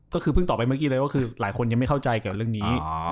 ก็คือเพิ่งตอบไปเมื่อกี้เลยว่าคือหลายคนยังไม่เข้าใจกับเรื่องนี้